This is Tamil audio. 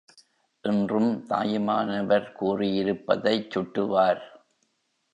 என்றும் தாயுமானவர் கூறியிருப்பதைச் சுட்டுவார்.